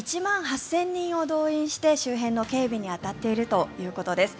１万８０００人を動員して周辺の警備に当たっているということです。